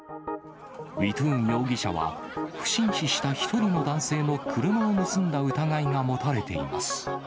ウィトゥーン容疑者は、不審死した１人の男性の車を盗んだ疑いが持たれています。